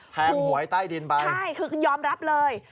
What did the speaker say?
หวยใต้ดินไปใช่คือยอมรับเลย